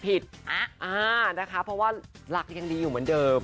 นะคะเพราะว่าหลักยังดีอยู่เหมือนเดิม